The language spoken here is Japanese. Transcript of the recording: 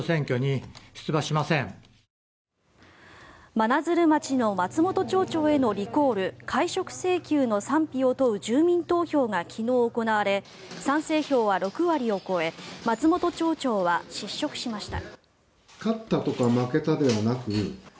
真鶴町の松本町長へのリコール、解職請求の賛否を問う住民投票が昨日行われ賛成票は６割を超え松本町長は失職しました。